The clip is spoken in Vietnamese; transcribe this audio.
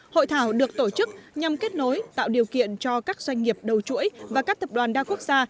hội thảo được tổ chức nhằm kết nối tạo điều kiện cho các doanh nghiệp đầu chuỗi và các tập đoàn đa quốc gia